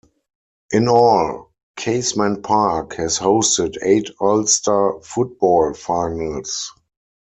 In all, Casement Park has hosted eight Ulster football finals.